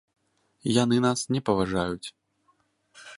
Яны нас не паважаюць.